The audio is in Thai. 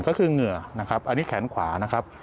ก็คือเหงื่อนะครับอันนี้แขนขวานะครับ